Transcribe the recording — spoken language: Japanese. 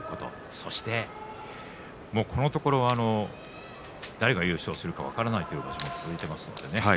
そして、このところ誰が優勝するか分からないという場所が続いています。